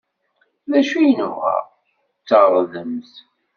D acu i nebɣa? D taɣdemt!